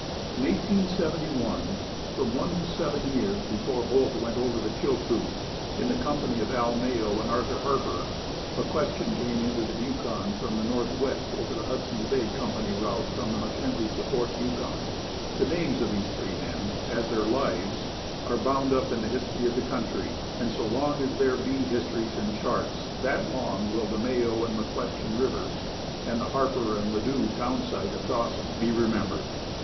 In 1871, from one to seven years before Holt went over Chilcoot, in the company of Al Mayo and Arthur Harper, McQuestion came into the Yukon from the North west over the Hudson Bay Company route from the Mackenzie to Fort Yukon. The names of these three men, as their lives, are bound up in the history of the country, and so long as there be histories and charts, that long will the Mayo and McQuestion rivers and the Harper and Ladue town site of Dawson be remembered.